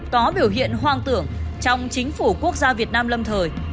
có biểu hiện hoang tưởng trong chính phủ quốc gia việt nam lâm thời